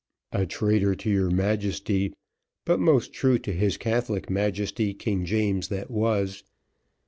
"A traitor to your Majesty, but most true to his Catholic Majesty, King James that was.